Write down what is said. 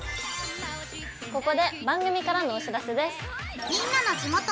ここで番組からのお知らせです。